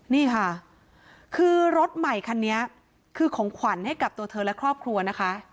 นี่ค่ะคือรถใหม่คันนี้คือของขวัญให้กับตัวเธอและครอบครัวนะคะ